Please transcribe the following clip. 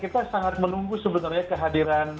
ya kita sangat menunggu sebenarnya kehadiran publik